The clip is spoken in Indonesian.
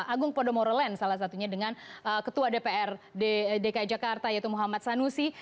agung podomoro land salah satunya dengan ketua dpr dki jakarta yaitu muhammad sanusi